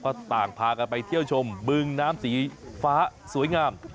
ก็ต่างพากันไปเที่ยวชมบึงน้ำสีฟ้าสวยงาม